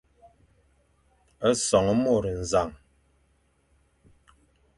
Son môr nẑañ.